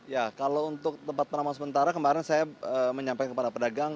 ya kalau untuk tempat penampungan sementara kemarin saya menyampaikan kepada pedagang